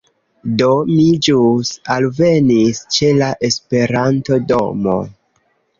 Do, mi ĵus alvenis ĉe la Esperanto-domo